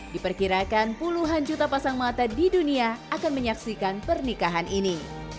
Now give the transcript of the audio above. diperkirakan puluhan juta pasang mata di dunia akan menyaksikan pernikahan ini